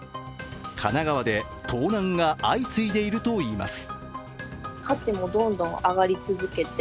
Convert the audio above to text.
神奈川で盗難が相次いでいるといいます。